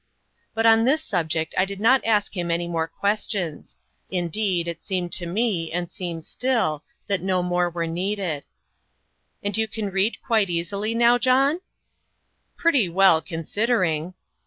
But on this subject I did not ask him any more questions; indeed, it seemed to me, and seems still, that no more were needed. "And you can read quite easily now, John?" "Pretty well, considering."